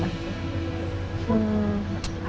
saya sudah selesai